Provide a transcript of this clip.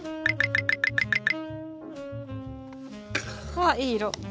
わっいい色。